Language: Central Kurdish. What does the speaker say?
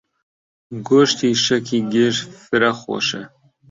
گۆشتی شەکی گێژ فرە خۆشە.